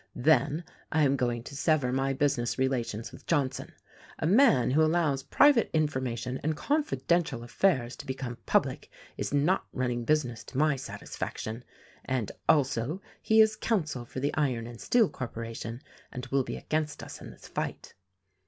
Then I am going to sever my business relations with John son. A man who allows private information and confiden tial affairs to become public is not running business to my satisfaction; and also, he is counsel for the Iron and Steel corporation, and will be against us in this fight.